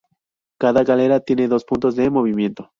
Cada galera tiene dos puntos de movimiento.